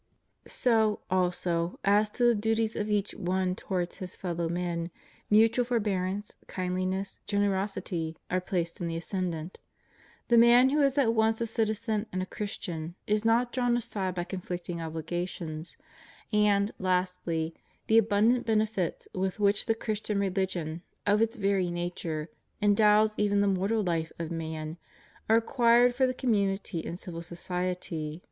So, also, as to the duties of each one towards his fellow men, mutual forbearance, kindliness, generosity, are placed in the ascendant; the man who is at once a citizen and a Christian is not drawn aside by conflicting obligations; and, lastly, the abundant benefits with which the Christian reUgion, of its very nature, endows even the m.ortal life of man, are acquired for the community and civil society.